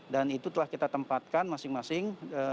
dan itu telah kita tempatkan masing masing